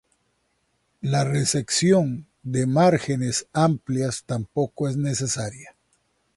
La resección de márgenes amplias tampoco es necesaria.